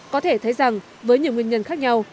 có thể thấy rằng với nhiều nguyên nhân khác nhau